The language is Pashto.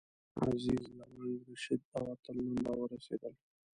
عزیز، لونګ، رشید او اتل نن راورسېدل.